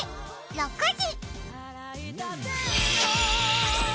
６時！